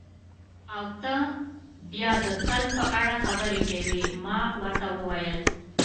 او ته بیا د تل په اړه خبرې کوې، ما ورته وویل.